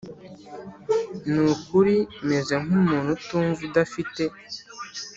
Ni ukuri meze nk umuntu utumva Udafite